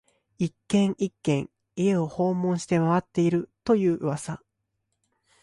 一軒、一軒、家を訪問して回っていると言う噂